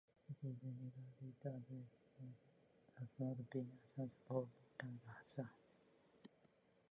It is regarded as extinct and has not been assessed for volcanic hazards.